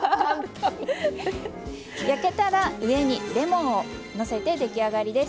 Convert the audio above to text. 焼けたら上にレモンをのせて出来上がりです。